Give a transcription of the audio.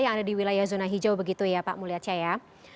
yang ada di wilayah zona hijau begitu ya pak mulyatsyah ya